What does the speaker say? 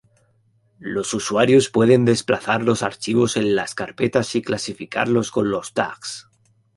Los usuarios pueden desplazar los archivos en las carpetas y clasificarlos con los tags.